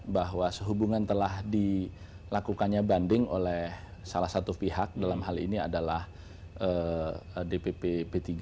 bahwa sehubungan telah dilakukannya banding oleh salah satu pihak dalam hal ini adalah dpp p tiga